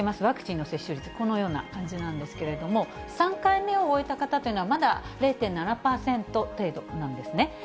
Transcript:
ワクチンの接種率、このような感じなんですけれども、３回目を終えた方というのはまだ０．７％程度なんですね。